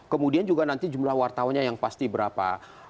kemudian juga nanti jumlah wartawannya yang pasti berapa